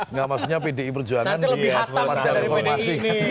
nggak maksudnya pdi berjuangan di asmas dari informasi